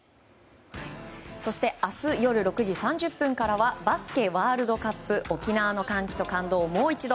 そして明日夜６時３０分からは「バスケＷ杯沖縄の歓喜と感動をもう一度」。